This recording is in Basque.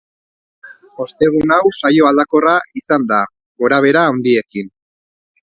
Ostegun hau saio aldakorra izan da, gora-behera handiekin.